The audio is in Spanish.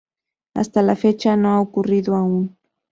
Hasta la fecha no ha ocurrido aún.